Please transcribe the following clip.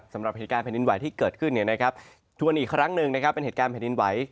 สำหรับเหตุการณ์แผ่นดินไหวที่เกิดขึ้นชวนอีกครั้งหนึ่งนะครับเป็นเหตุการณ์แผ่นดินไหว